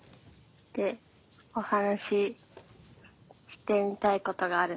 でお話ししてみたいことがあるなと思って。